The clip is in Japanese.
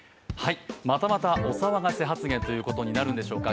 またまたお騒がせ発言ということになるんでしょうか。